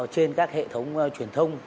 trên các hệ thống truyền thông